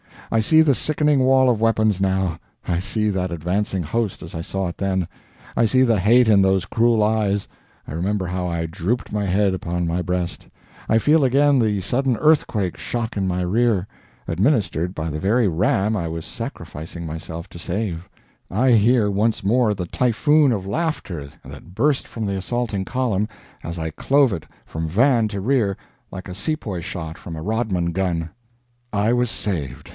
I see the sickening wall of weapons now; I see that advancing host as I saw it then, I see the hate in those cruel eyes; I remember how I drooped my head upon my breast, I feel again the sudden earthquake shock in my rear, administered by the very ram I was sacrificing myself to save; I hear once more the typhoon of laughter that burst from the assaulting column as I clove it from van to rear like a Sepoy shot from a Rodman gun. I was saved.